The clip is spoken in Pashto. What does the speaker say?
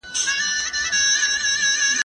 زه مخکي پاکوالي ساتلي وو،